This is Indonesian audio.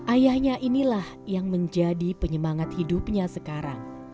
ayahnya inilah yang menjadi penyemangat hidupnya sekarang